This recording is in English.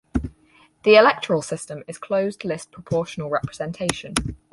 The electoral system is closed list proportional representation.